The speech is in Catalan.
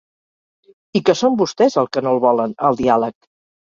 I que són vostès el que no el volen, el diàleg.